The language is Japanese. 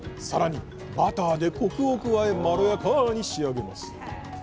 更にバターでコクを加えまろやかに仕上げます。